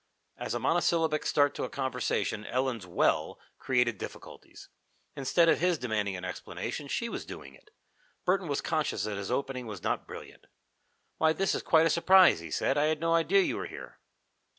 As a monosyllabic start to a conversation, Ellen's "Well?" created difficulties. Instead of his demanding an explanation, she was doing it. Burton was conscious that his opening was not brilliant. "Why, this is quite a surprise!" he said. "I had no idea you were here."